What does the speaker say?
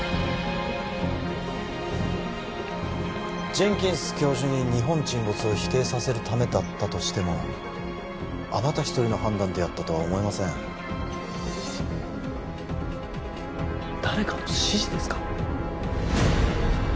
ジェンキンス教授に日本沈没を否定させるためだったとしてもあなた一人の判断でやったとは思えません誰かの指示ですか？